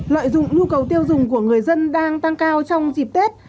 lợi dụng nhu cầu tiêu dùng của người dân đang tăng cao trong dịp tết